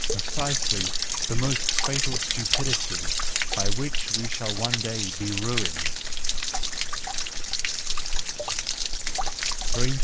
reC1SeIy the m0st fatal stupidity by which we shall one day be ruined.